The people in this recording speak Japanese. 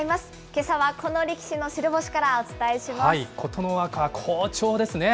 けさはこの力士の白星からお伝え琴ノ若、好調ですね。